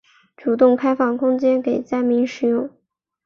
主动开放空间给灾民使用